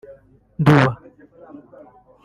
Nduba